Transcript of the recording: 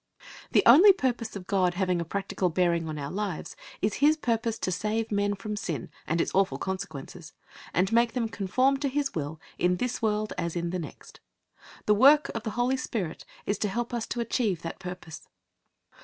The only purpose of God having a practical bearing on our lives is His purpose to save men from sin and its awful consequences, and make them conform to His will in this world as in the next. The work of the Holy Spirit is to help us to achieve that purpose.